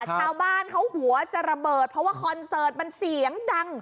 ชาวบ้านเขาหัวจะระเบิดเพราะว่าคอนเสิร์ตมันเสียงดัง